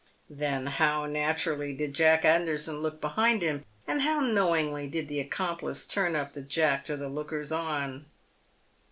Then how naturally did Jack Anderson look behind him, and how knowingly did the accomplice turn up the jack to the lookers on.